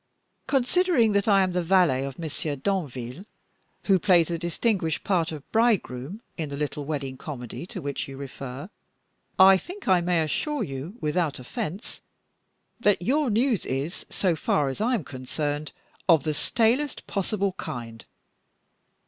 Considering that I am the valet of Monsieur Danville, who plays the distinguished part of bridegroom in the little wedding comedy to which you refer, I think I may assure you, without offense, that your news is, so far as I am concerned, of the stalest possible kind.